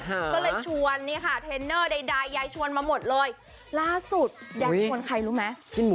ก็เลยชวนนี่ค่ะเทรนเนอร์ใดยายชวนมาหมดเลยล่าสุดแดงชวนใครรู้ไหม